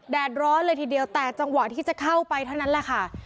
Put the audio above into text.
ร้อนเลยทีเดียวแต่จังหวะที่จะเข้าไปเท่านั้นแหละค่ะ